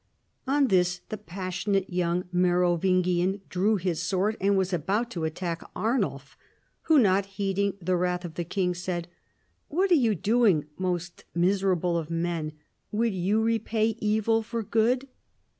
On this the passionate young Merovingian drew his sword, and was about to attack Arnulf, who, not heeding the wrath of the king, said, " What are you doing, most miserable of men ? Would you repay evil for good